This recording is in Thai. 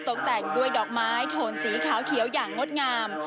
ตกแต่งด้วยดอกไม้โทนสีขาวเขียวอย่างงดงาม